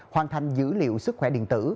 hoàn thành dữ liệu sức khỏe điện tử